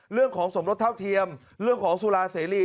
เรื่องของสมรสเท่าเทียมเรื่องของสุราเสรี